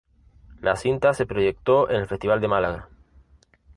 La cinta se proyectó en el Festival de Málaga